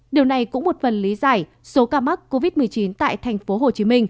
điều này cũng một phần lý giải số ca mắc covid một mươi chín tại tp hcm